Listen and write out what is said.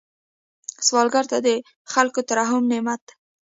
سوالګر ته د خلکو ترحم نعمت دی